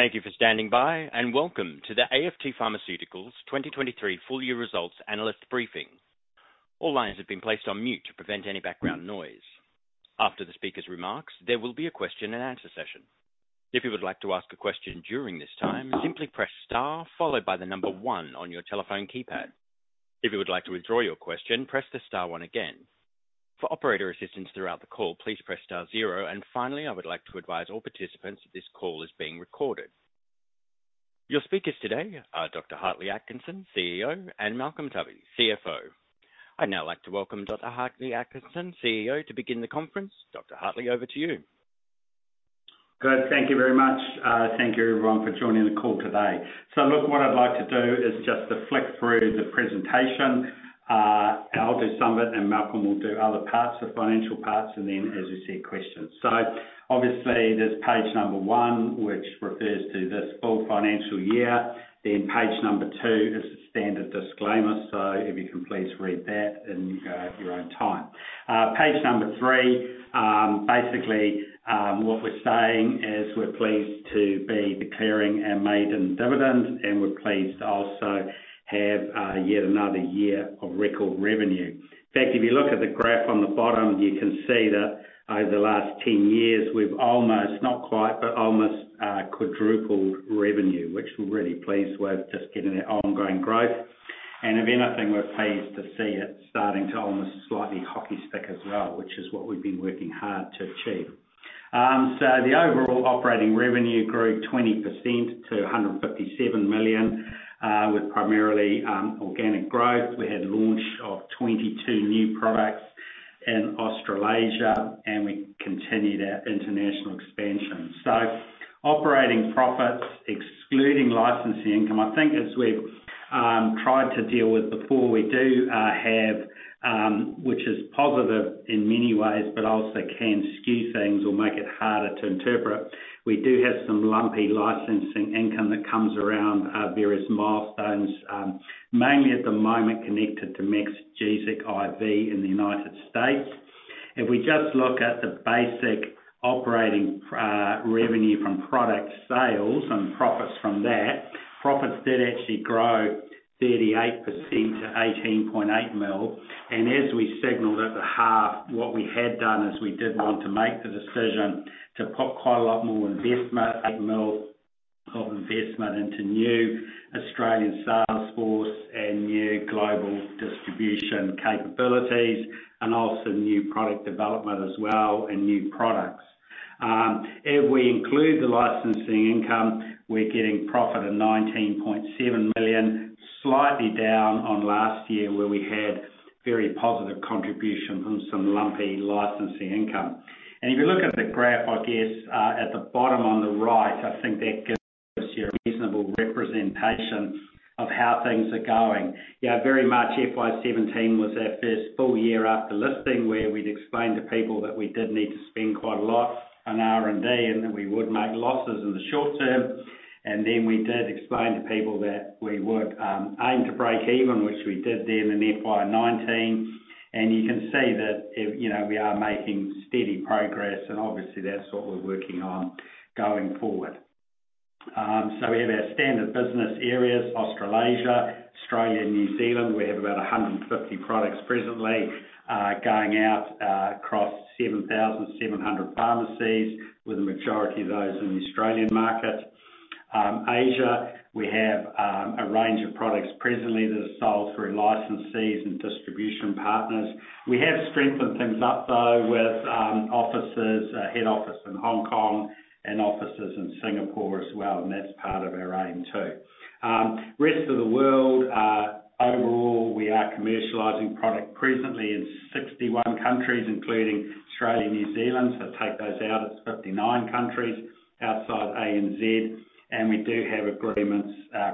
Thank you for standing by, and welcome to the AFT Pharmaceuticals 2023 full year results analyst briefing. All lines have been placed on mute to prevent any background noise. After the speaker's remarks, there will be a question and answer session. If you would like to ask a question during this time, simply press star followed by the number one on your telephone keypad. If you would like to withdraw your question, press the star one again. For operator assistance throughout the call, please press star zero. Finally, I would like to advise all participants that this call is being recorded. Your speakers today are Dr. Hartley Atkinson, CEO, and Malcolm Tubby, CFO. I'd now like to welcome Dr. Hartley Atkinson, CEO, to begin the conference. Dr. Hartley, over to you. Good. Thank you very much. Thank you everyone for joining the call today. Look, what I'd like to do is just to flick through the presentation. And I'll do some of it, and Malcolm will do other parts, the financial parts, and then as you said, questions. Obviously, there's page number one, which refers to this full financial year, then page number two is the standard disclaimer. If you can please read that in your own time. Page number three, basically, what we're saying is we're pleased to be declaring our maiden dividend, and we're pleased to also have yet another year of record revenue. In fact, if you look at the graph on the bottom, you can see that over the last 10 years, we've almost, not quite, but almost, quadrupled revenue, which we're really pleased with, just getting that ongoing growth. If anything, we're pleased to see it starting to almost slightly hockey stick as well, which is what we've been working hard to achieve. The overall operating revenue grew 20% to 157 million, with primarily organic growth. We had launch of 22 new products in Australasia, and we continued our international expansion. Operating profits excluding licensing income, I think as we've tried to deal with before, we do have, which is positive in many ways, but also can skew things or make it harder to interpret. We do have some lumpy licensing income that comes around various milestones, mainly at the moment connected to Maxigesic IV in the United States. If we just look at the basic operating revenue from product sales and profits from that, profits did actually grow 38% to 18.8 million. As we signaled at the half, what we had done is we did want to make the decision to put quite a lot more investment, 8 million of investment into new Australian sales force and new global distribution capabilities, and also new product development as well and new products. If we include the licensing income, we're getting profit of 19.7 million, slightly down on last year, where we had very positive contribution from some lumpy licensing income. If you look at the graph, I guess, at the bottom on the right, I think that gives you a reasonable representation of how things are going. Yeah, very much FY 2017 was our first full year after listing, where we'd explained to people that we did need to spend quite a lot on R&D, and that we would make losses in the short term. Then we did explain to people that we would aim to break even, which we did then in FY 2019. You can see that, you know, we are making steady progress, and obviously that's what we're working on going forward. So we have our standard business areas, Australasia, Australia, New Zealand. We have about 150 products presently going out across 7,700 pharmacies, with the majority of those in the Australian market. Asia, we have a range of products presently that are sold through licensees and distribution partners. We have strengthened things up, though, with offices, a head office in Hong Kong and offices in Singapore as well. That's part of our aim too. Rest of the world, overall, we are commercializing product presently in 61 countries, including Australia, New Zealand. Take those out, it's 59 countries outside ANZ. We do have agreements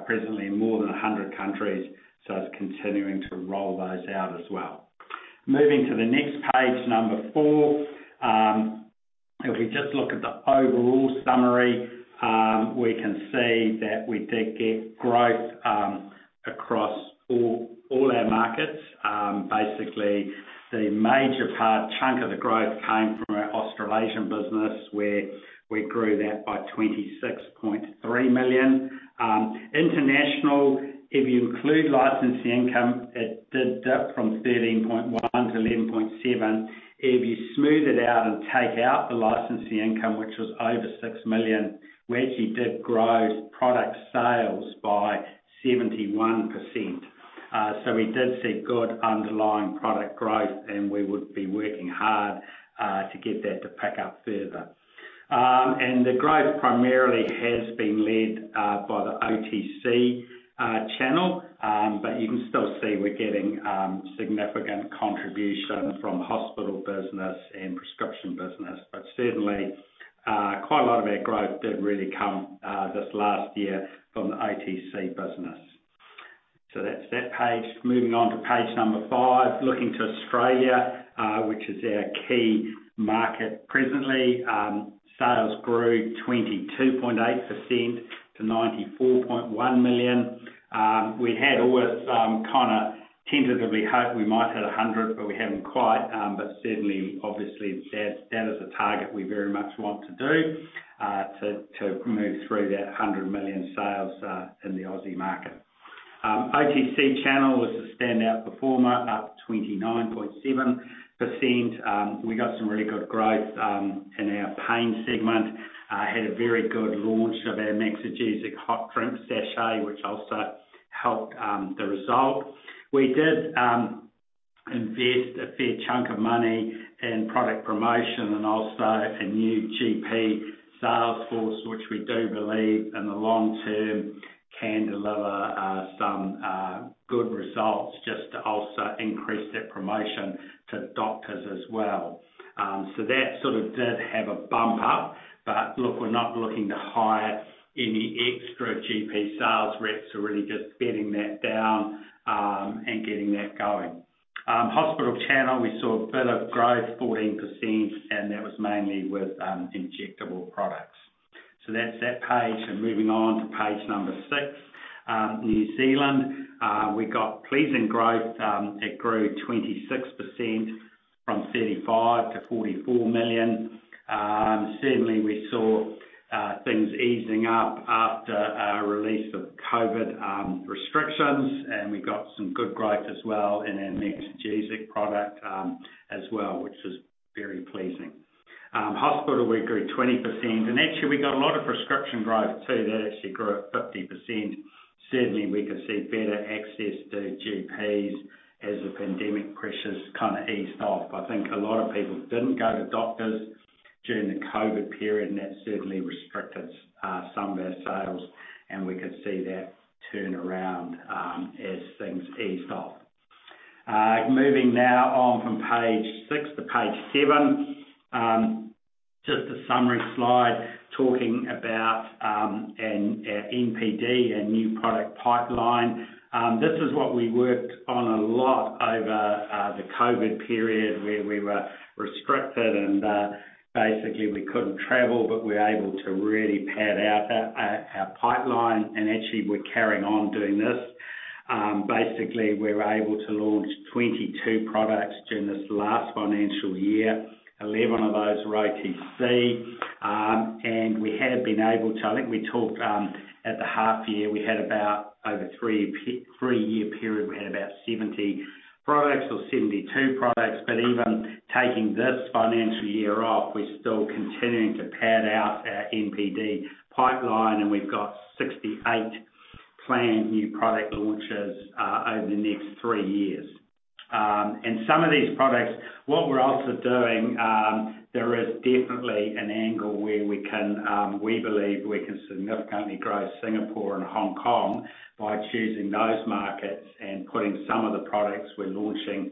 presently in more than 100 countries. It's continuing to roll those out as well. Moving to the next page, number four. If we just look at the overall summary, we can see that we did get growth across all our markets. Basically, the major part, chunk of the growth came from our Australasian business, where we grew that by 26.3 million. International, if you include licensing income, it did dip from 13.1 to 11.7. If you smooth it out and take out the licensing income, which was over 6 million, we actually did grow product sales by 71%. We did see good underlying product growth, and we would be working hard to get that to pick up further. The growth primarily has been led by the OTC channel. You can still see we're getting significant contribution from hospital business and prescription business. Certainly, quite a lot of our growth did really come this last year from the OTC business. That's that page. Moving on to page number five. Looking to Australia, which is our key market presently. Sales grew 22.8% to 94.1 million. We had always, Tentatively hope we might hit 100, but we haven't quite. Certainly obviously that is a target we very much want to do, to move through that 100 million sales, in the Aussie market. OTC channel was the standout performer, up 29.7%. We got some really good growth, in our pain segment, had a very good launch of our Maxigesic hot drink sachet, which also helped, the result. We did invest a fair chunk of money in product promotion and also a new GP sales force, which we do believe in the long term can deliver some good results. Just to also increase that promotion to doctors as well. That sort of did have a bump up. Look, we're not looking to hire any extra GP sales reps. We're really just bedding that down and getting that going. Hospital channel, we saw a bit of growth 14%, and that was mainly with injectable products. That's that page. Moving on to page number six. New Zealand, we got pleasing growth. It grew 26% from 35 million-44 million. Certainly we saw things easing up after our release of COVID restrictions, and we got some good growth as well in our Maxigesic product as well, which is very pleasing. Hospital, we grew 20% and actually we got a lot of prescription growth too. That actually grew at 50%. Certainly we could see better access to GPs as the pandemic pressures kinda eased off. I think a lot of people didn't go to doctors during the COVID period, and that certainly restricted some of our sales, and we could see that turn around as things eased off. Moving now on from page six to page seven. Just a summary slide, talking about an NPD and new product pipeline. This is what we worked on a lot over the COVID period, where we were restricted and basically we couldn't travel, but we're able to really pad out our pipeline and actually we're carrying on doing this. Basically, we were able to launch 22 products during this last financial year. 11 of those were OTC, and we have been able to. I think we talked, at the half year, we had about over three-year period, we had about 70 products or 72 products, but even taking this financial year off, we're still continuing to pad out our NPD pipeline, and we've got 68 planned new product launches over the next three years. Some of these products, what we're also doing, there is definitely an angle where we can, we believe we can significantly grow Singapore and Hong Kong by choosing those markets and putting some of the products we're launching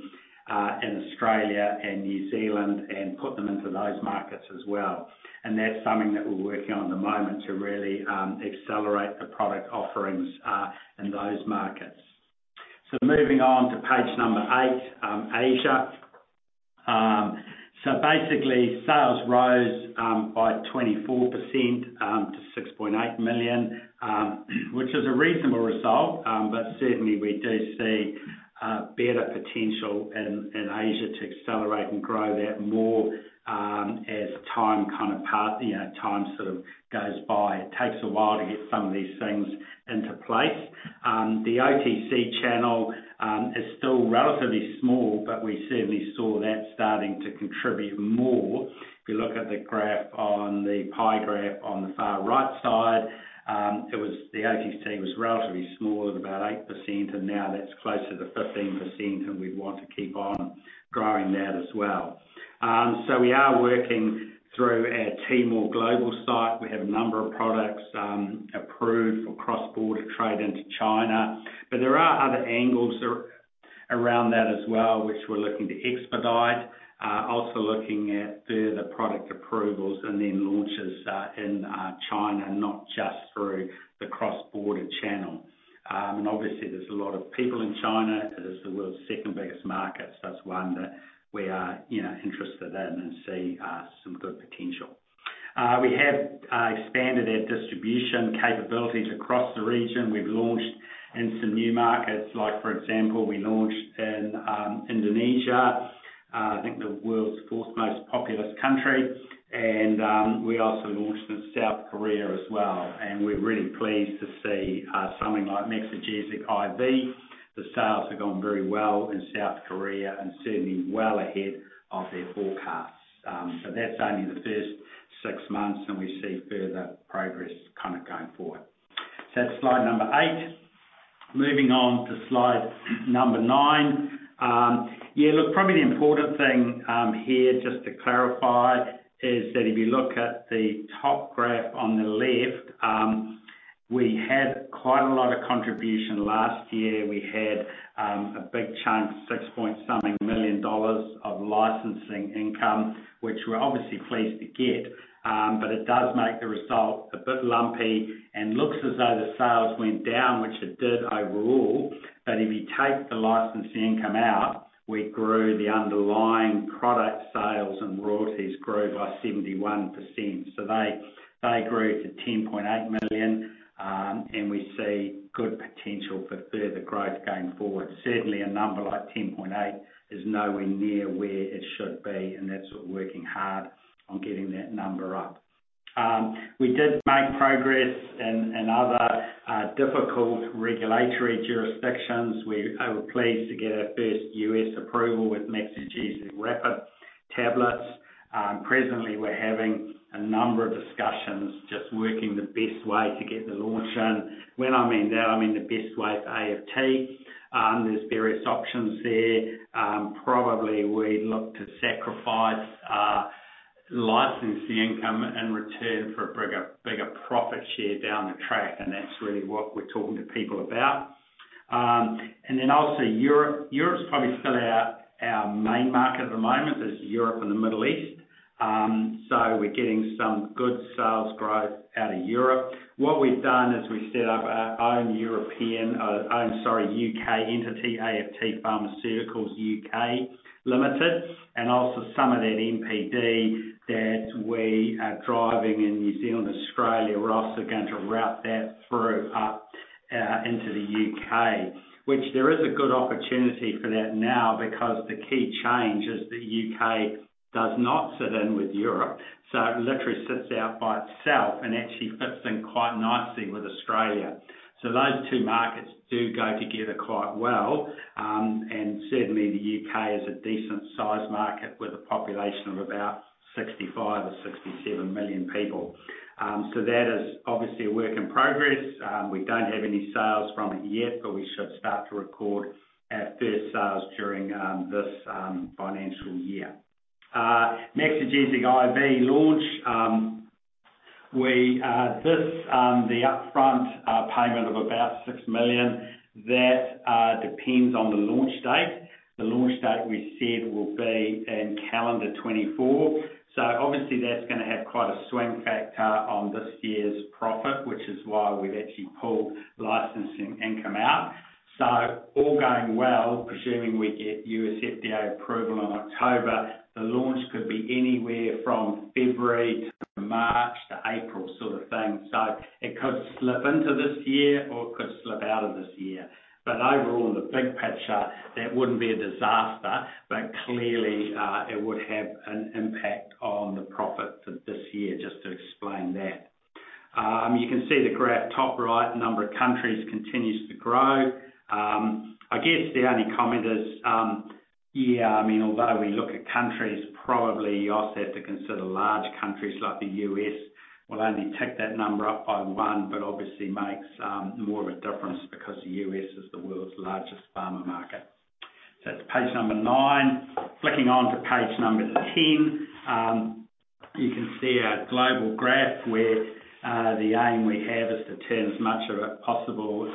in Australia and New Zealand and put them into those markets as well. That's something that we're working on at the moment to really accelerate the product offerings in those markets. Moving on to page number eight, Asia. Basically, sales rose by 24% to 6.8 million, which is a reasonable result. Certainly we do see better potential in Asia to accelerate and grow that more as time kinda pass, you know, time sort of goes by. It takes a while to get some of these things into place. The OTC channel is still relatively small, but we certainly saw that starting to contribute more. If you look at the graph on the pie graph on the far right side, the OTC was relatively small at about 8%, and now that's closer to 15% and we want to keep on growing that as well. We are working through our Tmall Global site. We have a number of products approved for cross-border trade into China. There are other angles around that as well, which we're looking to expedite. Also looking at further product approvals and then launches in China, not just through the cross-border channel. Obviously there's a lot of people in China. It is the world's second biggest market. That's one that we are, you know, interested in and see some good potential. We have expanded our distribution capabilities across the region. We've launched in some new markets, like for example, we launched in Indonesia, I think the world's fourth most populous country. We also launched in South Korea as well. We're really pleased to see something like Maxigesic IV. The sales have gone very well in South Korea and certainly well ahead of their forecasts. That's only the first six months, and we see further progress kind of going forward. That's slide number eight. Moving on to slide number nine. Yeah, look, probably the important thing here, just to clarify, is that if you look at the top graph on the left, we had quite a lot of contribution last year. We had a big chunk, $6 point something million of licensing income, which we're obviously pleased to get. It does make the result a bit lumpy, and looks as though the sales went down, which it did overall. If you take the licensing income out, we grew the underlying product sales, and royalties grew by 71%. They grew to $10.8 million, and we see good potential for further growth going forward. Certainly, a number like 10.8 is nowhere near where it should be, and that's working hard on getting that number up. We did make progress in other difficult regulatory jurisdictions. We are pleased to get our first U.S. approval with Maxigesic Rapid tablets. Presently, we're having a number of discussions, just working the best way to get the launch in. When I mean that, I mean the best way for AFT. There's various options there. Probably we look to sacrifice, license the income in return for a bigger profit share down the track, and that's really what we're talking to people about. Also Europe. Europe's probably still our main market at the moment, is Europe and the Middle East. We're getting some good sales growth out of Europe. What we've done is we set up our own European, own, sorry, U.K. entity, AFT Pharma UK Limited, and also some of that NPD that we are driving in New Zealand, Australia. We're also going to route that through up into the U.K., which there is a good opportunity for that now because the key change is the U.K. does not sit in with Europe. It literally sits out by itself and actually fits in quite nicely with Australia. Those two markets do go together quite well. And certainly the U.K. is a decent size market with a population of about 65 or 67 million people. So that is obviously a work in progress. We don't have any sales from it yet, but we should start to record our first sales during this financial year. Maxigesic IV launch. We, this, the upfront payment of about 6 million, that depends on the launch date. The launch date we said will be in calendar 2024. Obviously that's gonna have quite a swing factor on this year's profit, which is why we've actually pulled licensing income out. All going well, presuming we get U.S. FDA approval in October, the launch could be anywhere from February to March to April sort of thing. It could slip into this year or it could slip out of this year. Overall, in the big picture, that wouldn't be a disaster, but clearly, it would have an impact on the profit for this year, just to explain that. You can see the graph, top right, number of countries continues to grow. I guess the only comment is, yeah, I mean, although we look at countries, probably also have to consider large countries like the U.S.. We'll only tick that number up by one, obviously makes more of a difference because the U.S. is the world's largest pharma market. That's page number nine. Flicking on to page number 10, you can see our global graph where the aim we have is to turn as much of it possible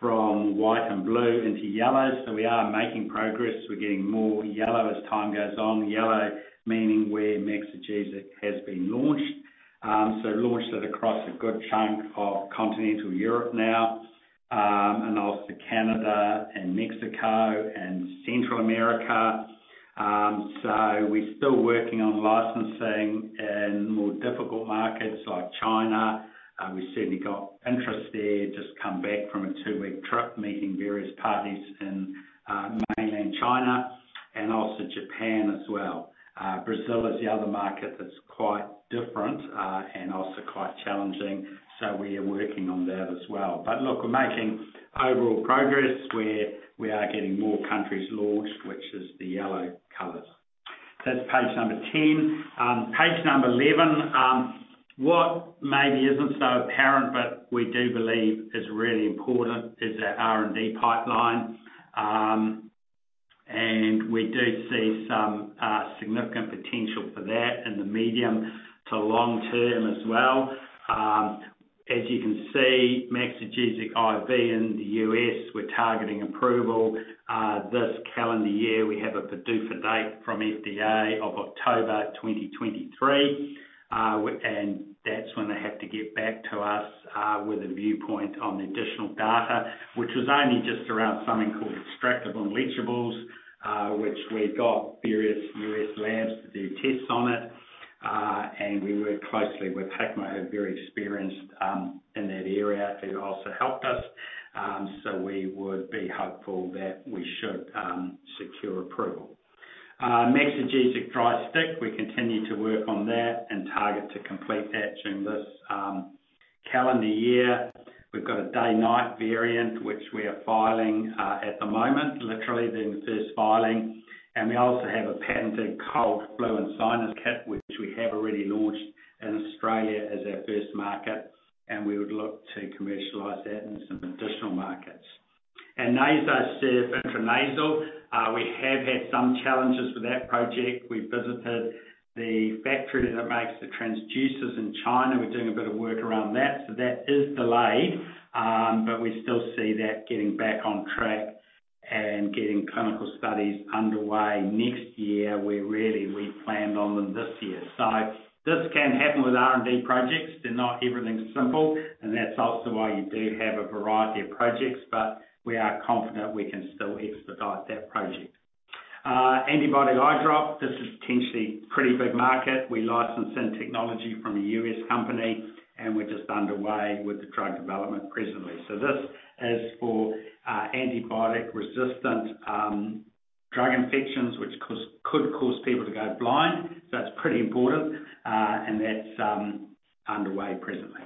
from white and blue into yellow. We are making progress. We're getting more yellow as time goes on. Yellow meaning where Maxigesic has been launched. Launched it across a good chunk of continental Europe now, also Canada and Mexico and Central America. We're still working on licensing in more difficult markets like China. We certainly got interest there. Just come back from a two-week trip, meeting various parties in Mainland China also Japan as well. Brazil is the other market that's quite different, and also quite challenging. We are working on that as well. Look, we're making overall progress where we are getting more countries launched, which is the yellow colors. That's page number 10. Page number 11. What maybe isn't so apparent, but we do believe is really important, is our R&D pipeline. We do see some significant potential for that in the medium to long term as well. As you can see, Maxigesic IV in the U.S., we're targeting approval this calendar year. We have a PDUFA date from FDA of October 2023. That's when they have to get back to us with a viewpoint on the additional data, which was only just around something called extractables and leachables, which we got various U.S. labs to do tests on it. We worked closely with Hikma, who are very experienced in that area to also help us. We would be hopeful that we should secure approval. Maxigesic Dry Stick, we continue to work on that and target to complete that during this calendar year. We've got a day/night variant, which we are filing at the moment, literally doing the first filing. We also have a patented Cold & Flu Sinus Kit, which we have already launched in Australia as our first market, and we would look to commercialize that in some additional markets. NasoSURF intranasal, we have had some challenges with that project. We visited the factory that makes the transducers in China. We're doing a bit of work around that, so that is delayed, but we still see that getting back on track and getting clinical studies underway next year. We planned on them this year. This can happen with R&D projects. They're not everything simple, and that's also why you do have a variety of projects, but we are confident we can still expedite that project. Antibody eye drop. This is potentially pretty big market. We licensed in technology from a U.S. company, and we're just underway with the drug development presently. This is for antibiotic-resistant drug infections, which could cause people to go blind. It's pretty important, and that's underway presently.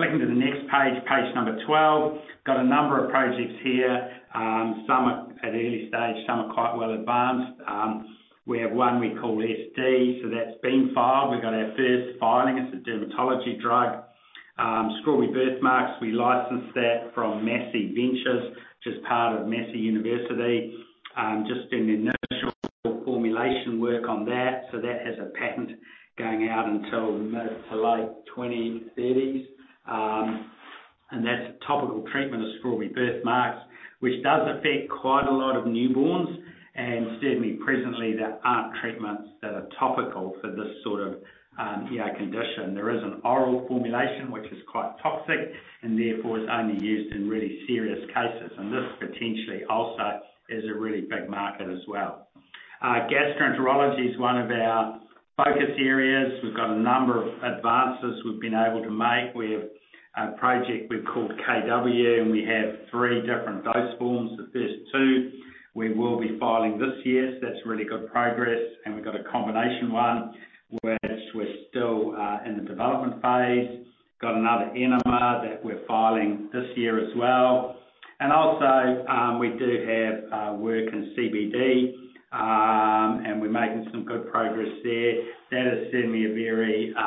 Flicking to the next page number 12. Got a number of projects here. Some are at early stage, some are quite well advanced. We have one we call SD, so that's been filed. We've got our first filing. It's a dermatology drug. strawberry birthmarks, we licensed that from Massey Ventures, which is part of Massey University. just doing the initial formulation work on that. That has a patent going out until the mid to late 2030s. That's a topical treatment of strawberry birthmarks, which does affect quite a lot of newborns. Certainly presently, there aren't treatments that are topical for this sort of, you know, condition. There is an oral formulation, which is quite toxic, and therefore is only used in really serious cases. This potentially also is a really big market as well. Gastroenterology is one of our focus areas. We've got a number of advances we've been able to make. We have a project we've called KW. We have three different dose forms. The first two we will be filing this year, that's really good progress. We've got a combination one, which we're still in the development phase. Got another enema that we're filing this year as well. We do have work in CBD. We're making some good progress there. That is certainly a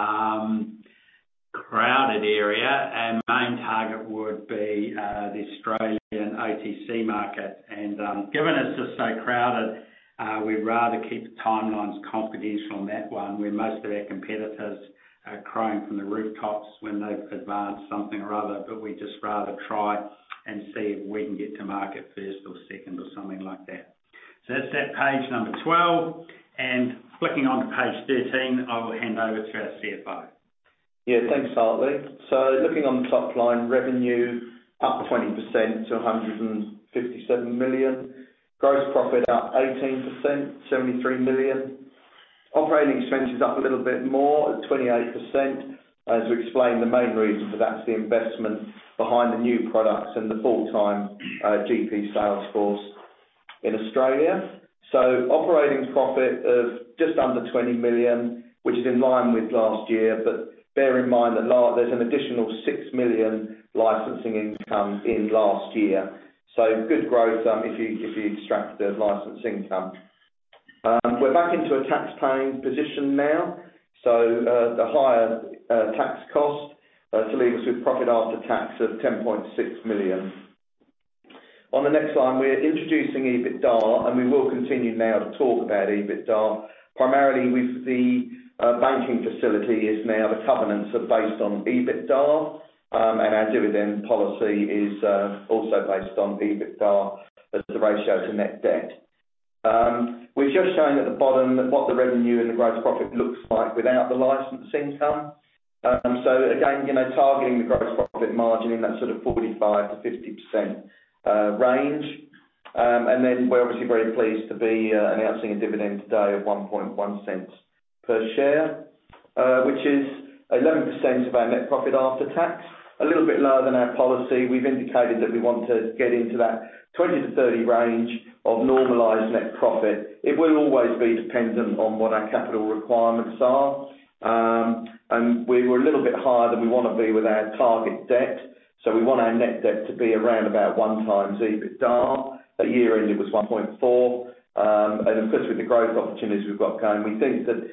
very crowded area. Main target would be the Australian OTC market. Given it's just so crowded, we'd rather keep the timelines confidential on that one, where most of our competitors are crying from the rooftops when they've advanced something or other, we'd just rather try and see if we can get to market first or second or something like that. That's at page number 12, and flicking onto page 13, I will hand over to our CFO. Yeah, thanks, Hartley. Looking on the top line revenue, up 20% to 157 million. Gross profit up 18%, 73 million. Operating expenses up a little bit more at 28%. As we explained, the main reason for that is the investment behind the new products and the full-time GP sales force in Australia. Operating profit of just under 20 million, which is in line with last year. Bear in mind that there's an additional 6 million licensing income in last year. Good growth, if you, if you extract the license income. We're back into a tax paying position now. The higher tax cost to leave us with profit after tax of 10.6 million. On the next line, we're introducing EBITDA. We will continue now to talk about EBITDA. Primarily with the banking facility is now the covenants are based on EBITDA, and our dividend policy is also based on EBITDA as the ratio to net debt. We've just shown at the bottom what the revenue and the gross profit looks like without the license income. Again, you know, targeting the gross profit margin in that sort of 45%-50% range. We're obviously very pleased to be announcing a dividend today of 0.011 per share, which is 11% of our net profit after tax. A little bit lower than our policy. We've indicated that we want to get into that 20-30 range of normalized net profit. It will always be dependent on what our capital requirements are. We were a little bit higher than we wanna be with our target debt. We want our net debt to be around about one times EBITDA. At year end, it was 1.4. Of course, with the growth opportunities we've got going, we think that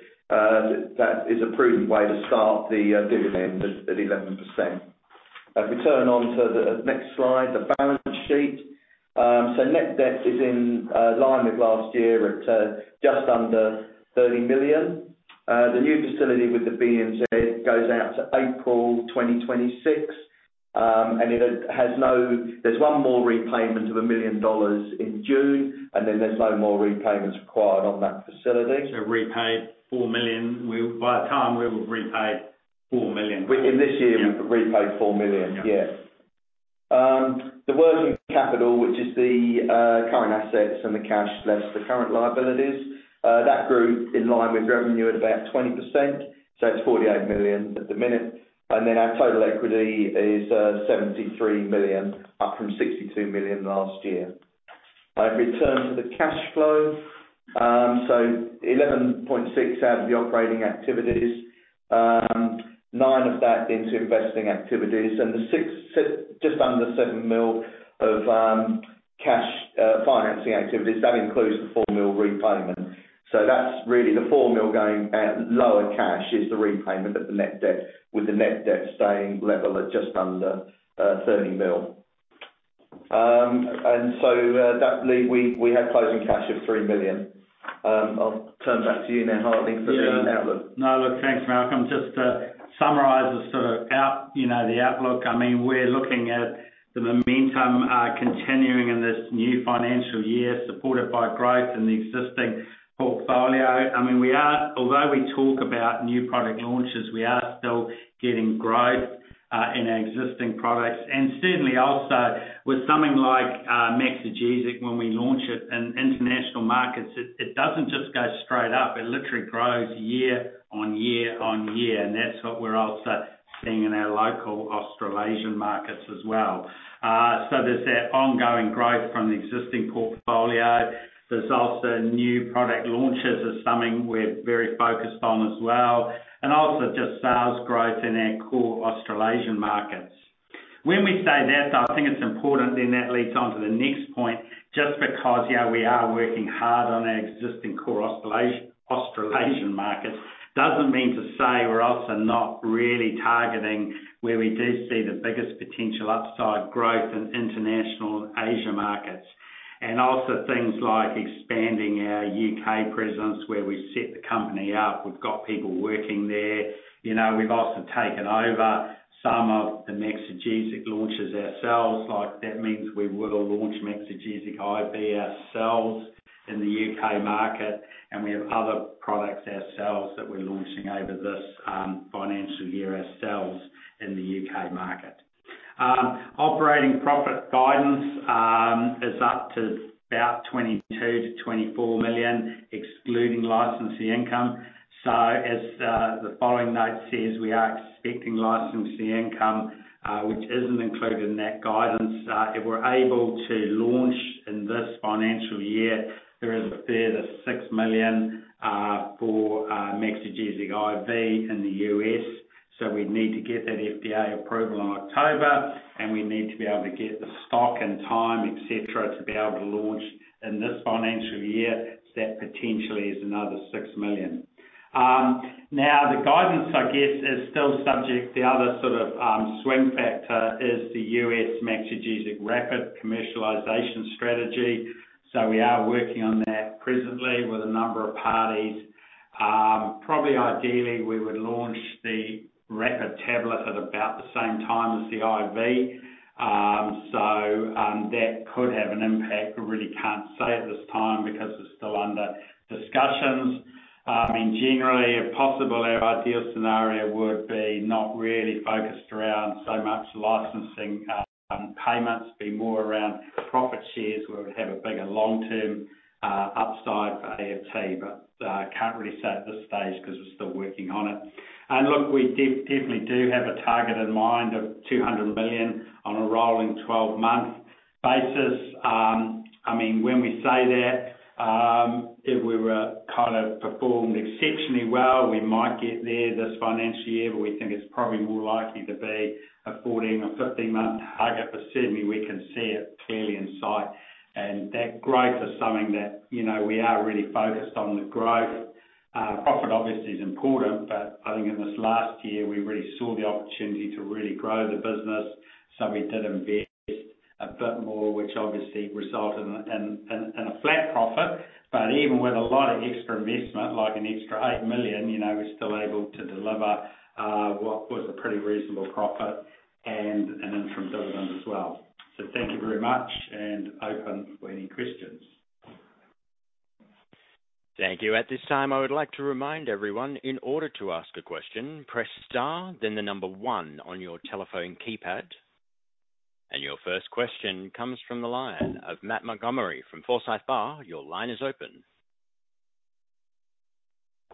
that is a prudent way to start the dividend at 11%. If we turn on to the next slide, the balance sheet. Net debt is in line with last year at just under 30 million. The new facility with the BNZ goes out to April 2026, there's one more repayment of 1 million dollars in June, then there's no more repayments required on that facility. repaid 4 million. By the time we will repay 4 million. In this year, we've repaid 4 million. Yeah. Yes. The working capital, which is the current assets and the cash less the current liabilities, that grew in line with revenue at about 20%. It's 48 million at the minute. Our total equity is 73 million, up from 62 million last year. If we turn to the cash flow, 11.6 out of the operating activities, 9 of that into investing activities, just under 7 million of cash financing activities, that includes the 4 million repayment. That's really the 4 million going at lower cash is the repayment of the net debt, with the net debt staying level at just under 30 million. We had closing cash of 3 million. I'll turn back to you now, Hartley, for the outlook. Yeah. No, look, thanks, Malcolm. Just to summarize the sort of you know, the outlook, I mean, we're looking at the momentum continuing in this new financial year, supported by growth in the existing portfolio. I mean, Although we talk about new product launches, we are still getting growth in our existing products. Certainly also with something like Maxigesic, when we launch it in international markets, it doesn't just go straight up, it literally grows year on year on year, and that's what we're also seeing in our local Australasian markets as well. There's that ongoing growth from the existing portfolio. There's also new product launches is something we're very focused on as well, and also just sales growth in our core Australasian markets. When we say that, I think it's important then that leads on to the next point, just because, yeah, we are working hard on our existing core Australasian markets doesn't mean to say we're also not really targeting where we do see the biggest potential upside growth in international Asia markets. Also things like expanding our U.K. presence where we set the company up. We've got people working there. You know, we've also taken over some of the Maxigesic launches ourselves. Like, that means we will launch Maxigesic IV ourselves in the U.K. market, and we have other products ourselves that we're launching over this financial year ourselves in the U.K. market. Operating profit guidance is up to about 22 million-24 million, excluding licensee income. As the following note says, we are expecting licensee income, which isn't included in that guidance. If we're able to launch in this financial year, there is a further $6 million for Maxigesic IV in the U.S.. We'd need to get that FDA approval in October, and we need to be able to get the stock and time et cetera to be able to launch in this financial year. That potentially is another $6 million. Now, the guidance, I guess, is still subject. The other sort of swing factor is the U.S. Maxigesic Rapid commercialization strategy. We are working on that presently with a number of parties. Probably ideally, we would launch the Rapid tablet at about the same time as the IV. That could have an impact. We really can't say at this time because it's still under discussions. I mean, generally, possibly our ideal scenario would be not really focused around so much licensing payments, be more around profit shares, where we have a bigger long-term upside for AFT, but can't really say at this stage 'cause we're still working on it. Look, we definitely do have a target in mind of 200 million on a rolling 12-month basis. I mean, when we say that, if we were kind of performed exceptionally well, we might get there this financial year, but we think it's probably more likely to be a 14 or 15-month target, but certainly we can see it clearly in sight. That growth is something that, you know, we are really focused on the growth. Profit obviously is important, but I think in this last year, we really saw the opportunity to really grow the business. We did invest a bit more, which obviously resulted in a flat profit. Even with a lot of extra investment, like an extra 8 million, you know, we're still able to deliver what was a pretty reasonable profit and an interim dividend as well. Thank you very much and open for any questions. Thank you. At this time, I would like to remind everyone in order to ask a question, press star, then the number one on your telephone keypad. Your first question comes from the line of Matt Montgomerie from Forsyth Barr. Your line is open.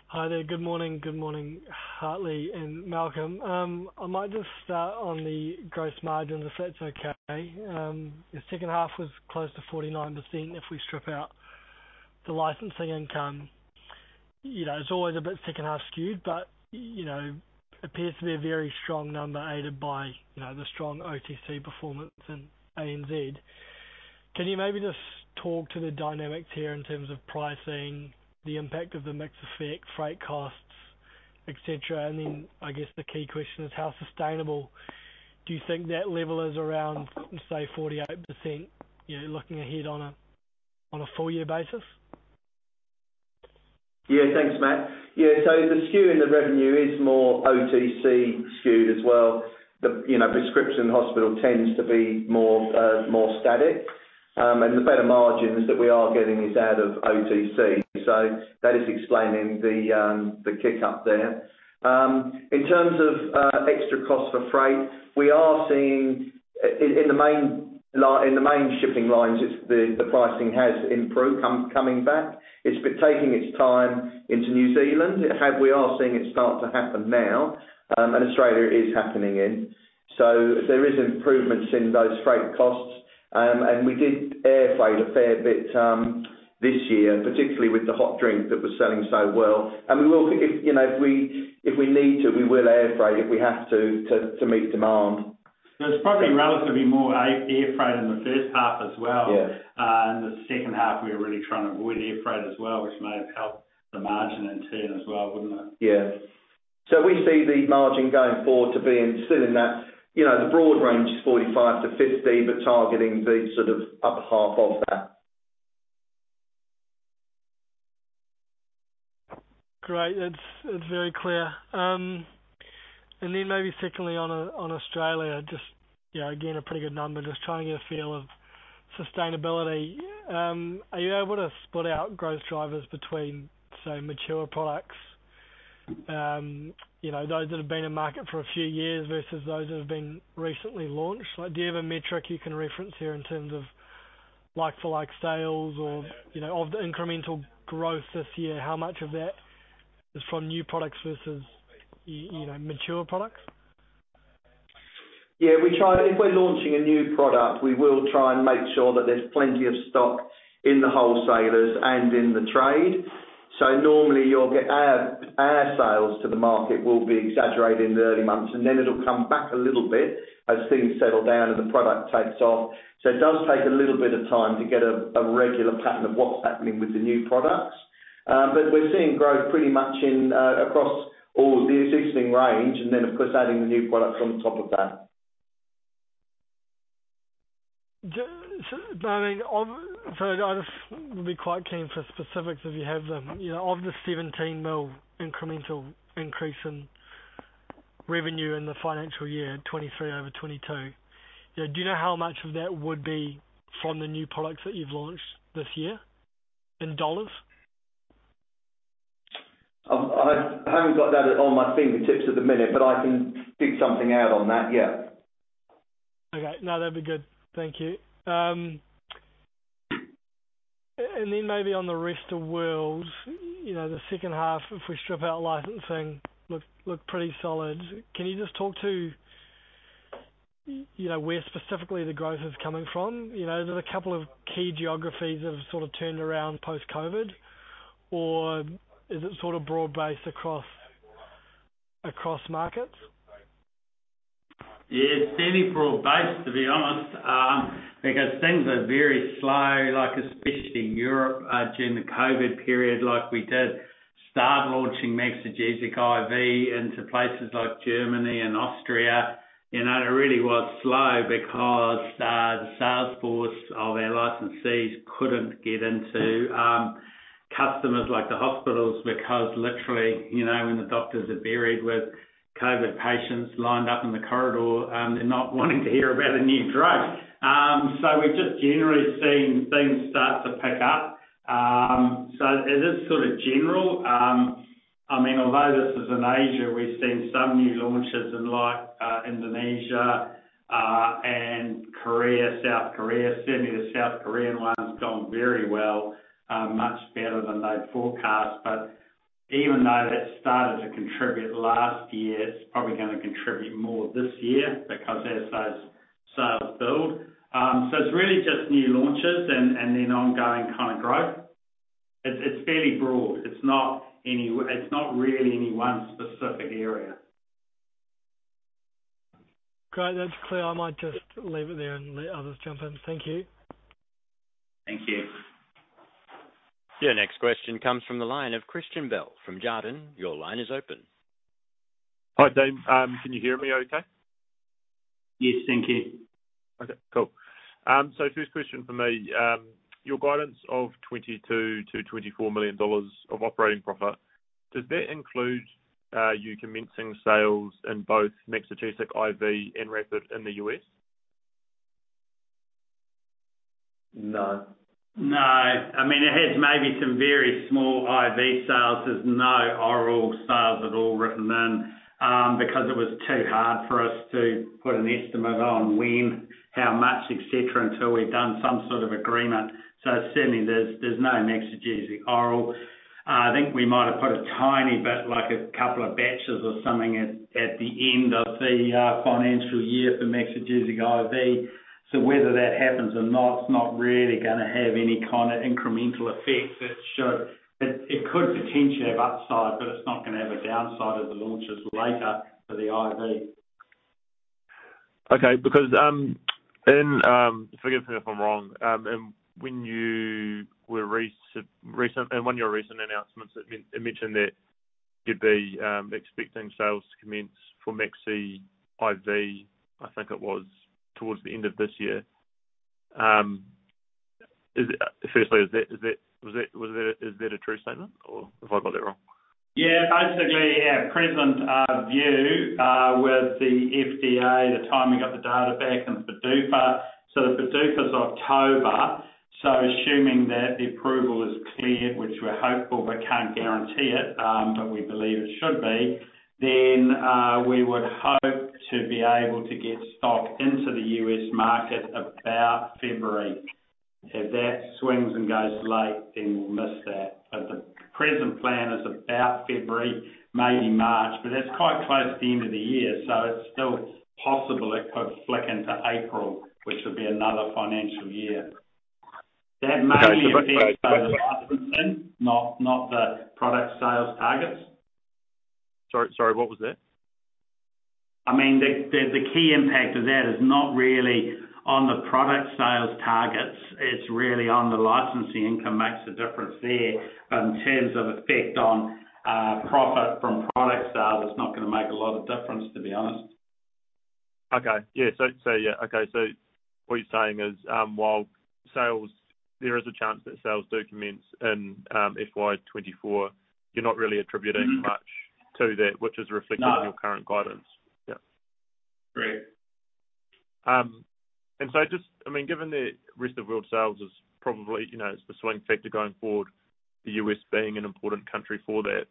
Hi there. Good morning. Good morning, Hartley and Malcolm. I might just start on the gross margins, if that's okay. The second half was close to 49% if we strip out the licensing income. You know, it's always a bit second-half skewed, but, you know, appears to be a very strong number aided by, you know, the strong OTC performance in ANZ. Can you maybe just talk to the dynamics here in terms of pricing, the impact of the mix effect, freight costs, et cetera? I guess the key question is how sustainable do you think that level is around, say, 48%, you know, looking ahead on a, on a full year basis? Yeah. Thanks, Matt. Yeah. The skew in the revenue is more OTC skewed as well. The, you know, prescription hospital tends to be more static. The better margins that we are getting is out of OTC. That is explaining the kick up there. In terms of extra cost for freight, we are seeing in the main shipping lines, the pricing has improved coming back. It's been taking its time into New Zealand. We are seeing it start to happen now, and Australia is happening in. There is improvements in those freight costs. We did air freight a fair bit this year, particularly with the hot drink that was selling so well. We will think if, you know, if we, if we need to, we will air freight if we have to meet demand. There's probably relatively more air freight in the first half as well. Yeah. In the second half, we were really trying to avoid air freight as well, which may have helped the margin in turn as well, wouldn't it? Yeah. We see the margin going forward to being still in that, you know, the broad range is 45%-50%, but targeting the sort of upper half of that. Great. That's, that's very clear. Maybe secondly on Australia, just, you know, again, a pretty good number. Just trying to get a feel of sustainability. Are you able to split out growth drivers between, say, mature products, you know, those that have been in market for a few years versus those that have been recently launched? Like, do you have a metric you can reference here in terms of like for like sales or, you know, of the incremental growth this year, how much of that is from new products versus, you know, mature products? Yeah, we try. If we're launching a new product, we will try and make sure that there's plenty of stock in the wholesalers and in the trade. Normally you'll get our sales to the market will be exaggerated in the early months, and then it'll come back a little bit as things settle down and the product takes off. It does take a little bit of time to get a regular pattern of what's happening with the new products. We're seeing growth pretty much in across all the existing range and then of course adding the new products on top of that. I mean, so I just would be quite keen for specifics, if you have them. You know, of the 17 million incremental increase in revenue in the financial year 2023 over 2022, you know, do you know how much of that would be from the new products that you've launched this year in NZD? I haven't got that on my fingertips at the minute, but I can dig something out on that. Yeah. Okay. No, that'd be good. Thank you. Then maybe on the rest of world, you know, the second half, if we strip out licensing, looked pretty solid. Can you just talk to, you know, where specifically the growth is coming from? You know, there's a couple of key geographies that have sort of turned around post COVID, or is it sort of broad-based across markets? Yeah, it's fairly broad-based, to be honest, because things are very slow, like especially Europe, during the COVID period. Like we did start launching Maxigesic IV into places like Germany and Austria, you know, it really was slow because the sales force of our licensees couldn't get into customers like the hospitals because literally, you know, when the doctors are buried with COVID patients lined up in the corridor, they're not wanting to hear about a new drug. We've just generally seen things start to pick up. It is sort of general. I mean, although this is in Asia, we've seen some new launches in like Indonesia and Korea, South Korea. Certainly the South Korean one's gone very well, much better than they'd forecast. Even though that started to contribute last year, it's probably gonna contribute more this year because as those sales build. It's really just new launches and then ongoing kind of growth. It's, it's fairly broad. It's not really any one specific area. Great. That's clear. I might just leave it there and let others jump in. Thank you. Thank you. Your next question comes from the line of Christian Bell from Jarden. Your line is open. Hartley. Can you hear me okay? Yes. Thank you. Okay, cool. first question for me. your guidance of $22 million-$24 million of operating profit, does that include you commencing sales in both Maxigesic IV and Rapid in the U.S.? No. No. I mean, it has maybe some very small IV sales. There's no oral sales at all written in, because it was too hard for us to put an estimate on when, how much, et cetera, until we've done some sort of agreement. Certainly there's no Maxigesic oral. I think we might have put a tiny bit, like a couple of batches or something at the end of the financial year for Maxigesic IV. Whether that happens or not, it's not really gonna have any kind of incremental effect. It could potentially have upside, but it's not gonna have a downside as it launches later for the IV. Okay. In forgive me if I'm wrong, in one of your recent announcements, it mentioned that you'd be expecting sales to commence for Maxigesic IV, I think it was towards the end of this year. Is it, firstly, is that a true statement or have I got that wrong? Yeah. Basically our present view with the FDA, the timing of the data back in PDUFA. The PDUFA's October, so assuming that the approval is cleared, which we're hopeful but can't guarantee it, but we believe it should be, then, we would hope to be able to get stock into the U.S. market about February. If that swings and goes late, then we'll miss that. The present plan is about February, maybe March, but that's quite close to the end of the year, so it's still possible it could flick into April, which would be another financial year. That mainly- Okay. Affects the licensing, not the product sales targets. Sorry, what was that? I mean, the, the key impact of that is not really on the product sales targets, it's really on the licensing income makes the difference there. In terms of effect on profit from product sales, it's not gonna make a lot of difference, to be honest. Yeah. So yeah. What you're saying is, while sales there is a chance that sales do commence in, FY 2024, you're not really attributing- Mm-hmm. -much to that, which is reflective- No. of your current guidance? Yeah. Correct. just, I mean, given that rest of world sales is probably, you know, is the swing factor going forward, the U.S. being an important country for that,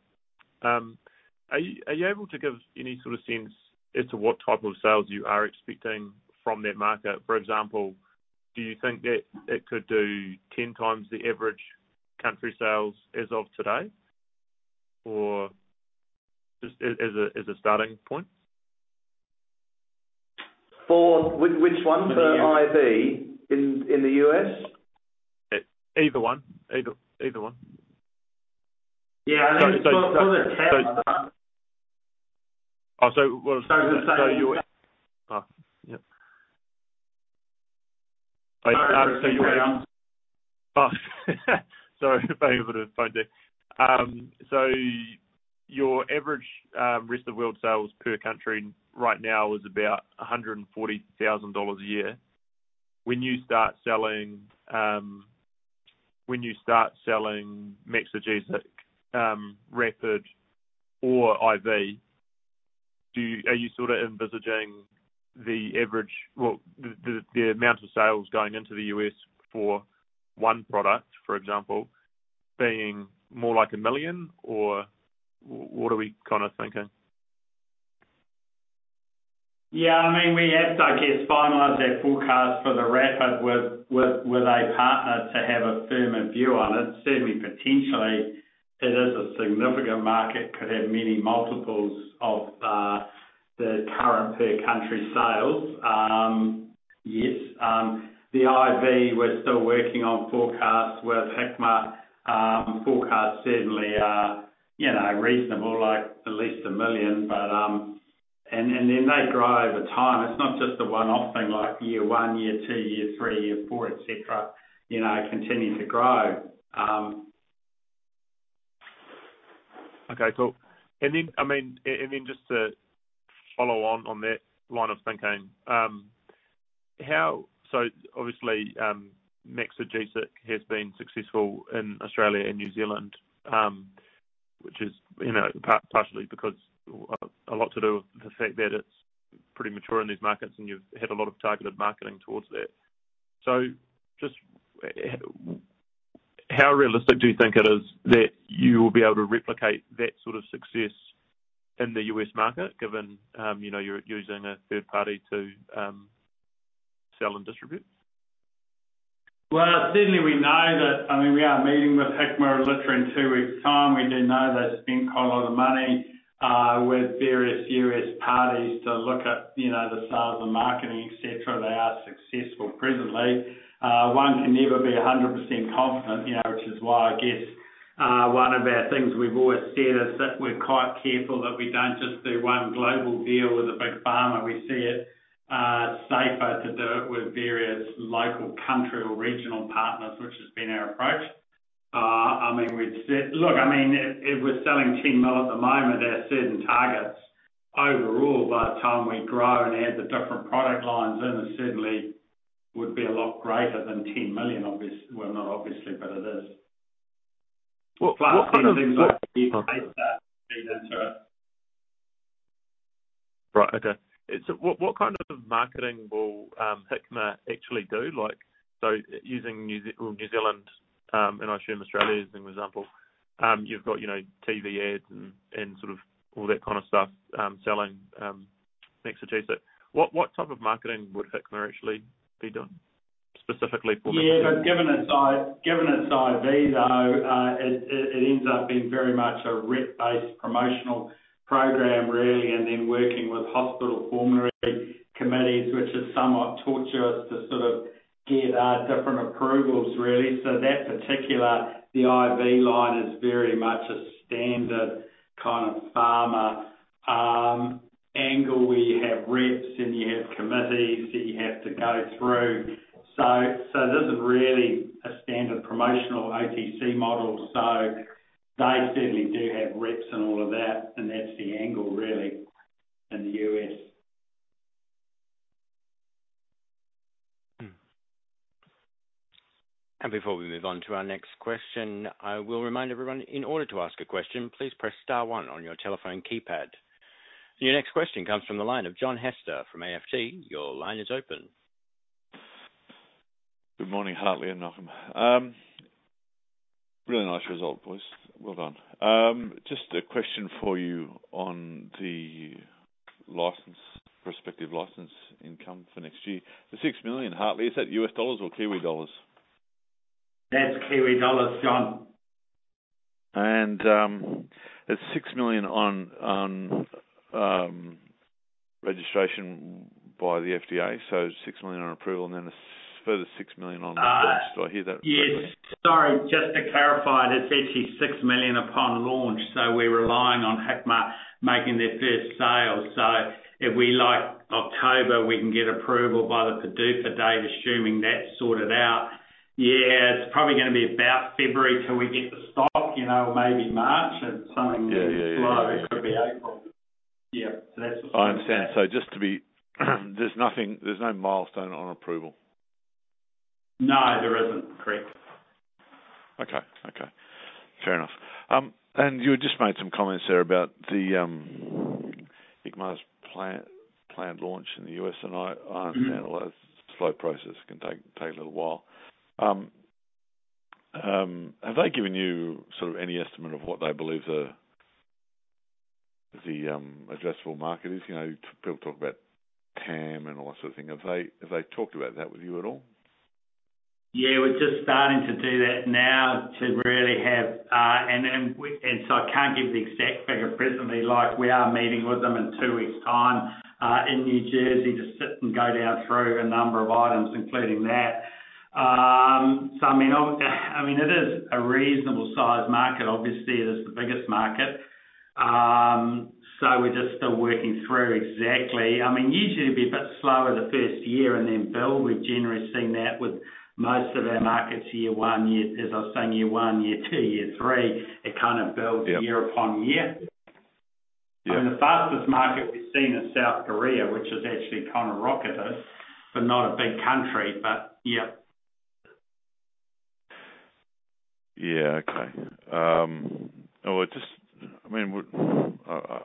are you able to give any sort of sense as to what type of sales you are expecting from that market? For example, do you think that it could do 10 times the average country sales as of today or just as a starting point? For which one? The U.S. For IV in the U.S.? either one. Either one. Yeah, I mean. Yeah. Sorry about your phone there. Your average rest of world sales per country right now is about 140,000 dollars a year. When you start selling Maxigesic Rapid or Maxigesic IV, are you sorta envisaging the average, well, the amount of sales going into the U.S. for one product, for example, being more like $1 million? Or what are we kinda thinking? Yeah, I mean, we have to, I guess, finalize our forecast for the Rapid with a partner to have a firmer view on it. Certainly, potentially, it is a significant market, could have many multiples of the current per country sales. Yes, the IV, we're still working on forecasts with Hikma. Forecasts certainly are, you know, reasonable, like at least $1 million. And then they grow over time. It's not just a one-off thing like year one, year two, year three, year four, et cetera, you know, continue to grow. Okay, cool. I mean, and then just to follow on that line of thinking, obviously, Maxigesic has been successful in Australia and New Zealand, which is, you know, partially because, a lot to do with the fact that it's pretty mature in these markets, and you've had a lot of targeted marketing towards that. Just how realistic do you think it is that you will be able to replicate that sort of success in the U.S. market, given, you know, you're using a third party to sell and distribute? Well, certainly we know that. I mean, we are meeting with Hikma literally in two weeks' time. We do know they've spent quite a lot of money with various U.S. parties to look at, you know, the sales and marketing, et cetera. They are successful presently. One can never be 100% confident, you know, which is why, I guess, one of our things we've always said is that we're quite careful that we don't just do one global deal with a big pharma. We see it safer to do it with various local country or regional partners, which has been our approach. I mean, we'd set... Look, I mean, if we're selling 10 million at the moment, our certain targets overall by the time we grow and add the different product lines in, it certainly would be a lot greater than 10 million obviously. Well, not obviously, but it is. Right. Okay. What kind of marketing will Hikma actually do? Like, using New Zealand and I assume Australia as an example, you've got, you know, TV ads and sort of all that kind of stuff, selling Maxigesic. What type of marketing would Hikma actually be doing specifically for this- Yeah. Given it's IV though, it ends up being very much a rep-based promotional program really, and then working with hospital formulary committees, which is somewhat torturous to sort of get different approvals really. That particular, the IV line is very much a standard kind of pharma angle where you have reps and you have committees that you have to go through. This is really a standard promotional OTC model. They certainly do have reps and all of that, and that's the angle really in the U.S. Mm. Before we move on to our next question, I will remind everyone, in order to ask a question, please press star one on your telephone keypad. Your next question comes from the line of John Hester from AFP. Your line is open. Good morning, Hartley and Malcolm. Really nice result, boys. Well done. Just a question for you on the license, prospective license income for next year. The 6 million, Hartley, is that US dollars or Kiwi dollars? That's Kiwi dollars, John. It's $6 million on registration by the FDA. $6 million on approval and then a further $6 million on launch. Do I hear that correctly? Yes. Sorry, just to clarify, it's actually $6 million upon launch. We're relying on Hikma making their first sale. If we, like, October, we can get approval by the PDUFA date, assuming that's sorted out. Yeah, it's probably gonna be about February till we get the stock, you know, maybe March. If something slow, it could be April. Yeah. That's I understand. There's no milestone on approval. No, there isn't. Correct. Okay. Okay. Fair enough. You just made some comments there about the Hikma's plan, planned launch in the U.S., and I understand that that's a slow process. It can take a little while. Have they given you sort of any estimate of what they believe the addressable market is? You know, people talk about TAM and all that sort of thing. Have they talked about that with you at all? Yeah, we're just starting to do that now to really have. I can't give the exact figure presently. Like, we are meeting with them in two weeks' time in New Jersey to sit and go down through a number of items, including that. I mean, it is a reasonable size market. Obviously, it is the biggest market. We're just still working through exactly. I mean, usually it'd be a bit slower the first year and then build. We've generally seen that with most of our markets. As I was saying, year one, year two, year three, it kind of builds. Yeah. year upon year. Yeah. The fastest market we've seen is South Korea, which has actually kind of rocketed, but not a big country, but yeah. Yeah. Okay. well, I mean, I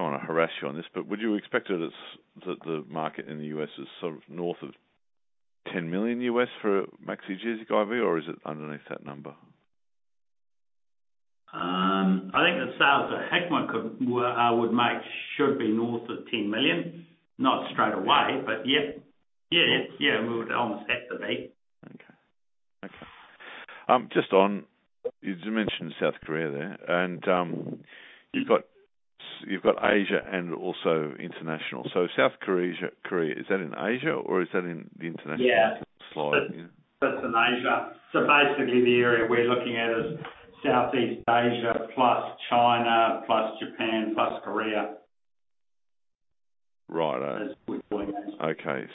don't want to harass you on this, but would you expect that it's, the market in the US is sort of north of $10 million for Maxigesic IV, or is it underneath that number? I think the sales that Hikma could make should be north of $10 million. Not straight away, but yeah. Yeah. Yeah, we would almost have to be. Okay. Okay. just on, you mentioned South Korea there, and, you've got, you've got Asia and also international. South Korea, is that in Asia or is that in the international slide? Yeah. That's in Asia. Basically the area we're looking at is Southeast Asia plus China plus Japan plus Korea. Right. Okay.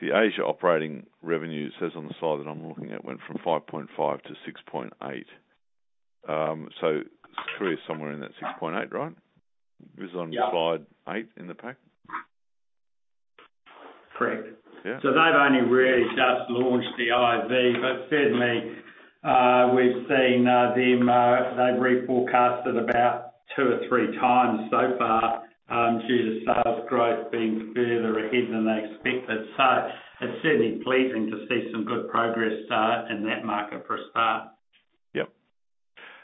The Asia operating revenue, it says on the slide that I'm looking at, went from 5.5 to 6.8. Korea is somewhere in that 6.8, right? Yeah. This is on slide eight in the pack. Correct. Yeah. They've only really just launched the IV, but certainly, we've seen, them, they've reforecasted about two or three times so far, due to sales growth being further ahead than they expected. It's certainly pleasing to see some good progress in that market, for a start.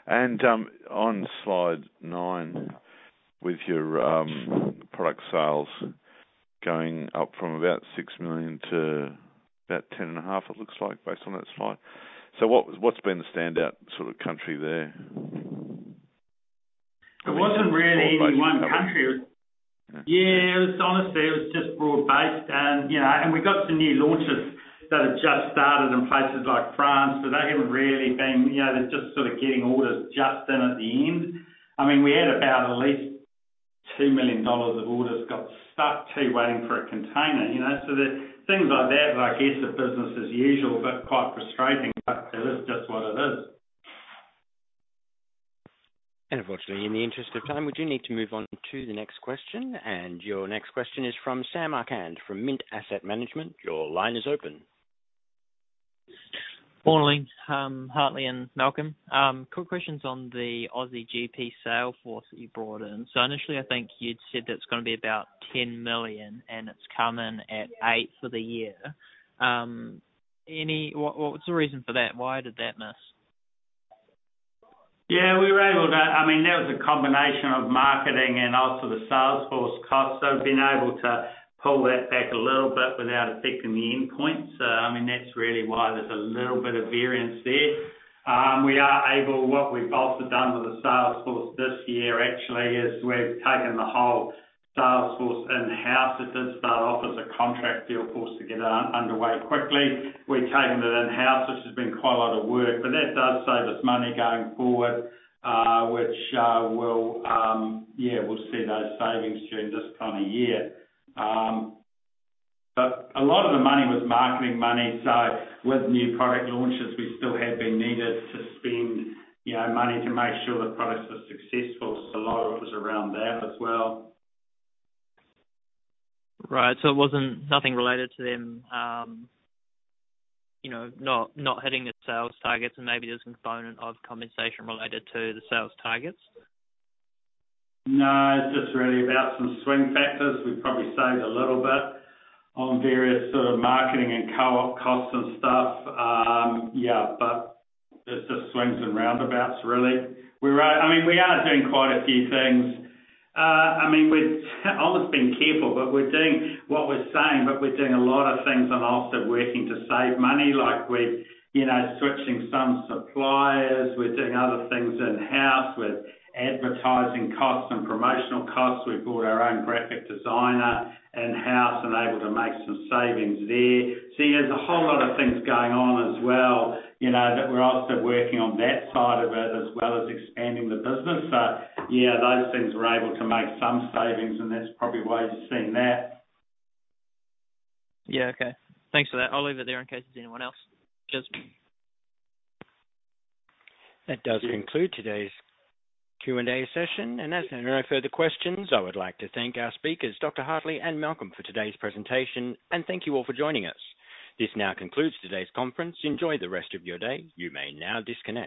Yep. On slide nine, with your product sales going up from about 6 million to about ten and a half million it looks like based on that slide. What's been the standout sort of country there? It wasn't really any one country. Yeah, it was honestly, it was just broad-based, and you know, we got some new launches that have just started in places like France, they haven't really been, you know, they're just sort of getting orders just in at the end. I mean, we had about at least two million dollars of orders got stuck, too, waiting for a container, you know. The things like that are I guess are business as usual, but quite frustrating. It is just what it is. Unfortunately, in the interest of time, we do need to move on to the next question. Your next question is from Sam Arcand from Mint Asset Management. Your line is open. Morning, Hartley and Malcolm. Quick questions on the Aussie GP sales force that you brought in. Initially, I think you'd said that it's gonna be about 10 million, and it's come in at 8 million for the year. What was the reason for that? Why did that miss? We were able to, I mean, that was a combination of marketing and also the sales force costs, being able to pull that back a little bit without affecting the endpoint. I mean, that's really why there's a little bit of variance there. What we've also done with the sales force this year actually is we've taken the whole sales force in-house. It did start off as a contract deal for us to get underway quickly. We've taken it in-house, which has been quite a lot of work, that does save us money going forward, which will, yeah, we'll see those savings during this kind of year. A lot of the money was marketing money, with new product launches, we still have been needed to spend, you know, money to make sure the products were successful. A lot of it was around that as well. Right. it wasn't, nothing related to them, you know, not hitting the sales targets and maybe there's a component of compensation related to the sales targets? No, it's just really about some swing factors. We've probably saved a little bit on various sort of marketing and co-op costs and stuff. It's just swings and roundabouts, really. We're, I mean, we are doing quite a few things. I mean, we've almost being careful, but we're doing what we're saying, but we're doing a lot of things and also working to save money. Like we're, you know, switching some suppliers. We're doing other things in-house with advertising costs and promotional costs. We bought our own graphic designer in-house and able to make some savings there. See, there's a whole lot of things going on as well, you know, that we're also working on that side of it as well as expanding the business. Those things we're able to make some savings and that's probably why you're seeing that. Yeah. Okay. Thanks for that. I'll leave it there in case there's anyone else. Cheers. That does conclude today's Q&A session. As there are no further questions, I would like to thank our speakers, Dr. Hartley and Malcolm, for today's presentation, and thank you all for joining us. This now concludes today's conference. Enjoy the rest of your day. You may now disconnect.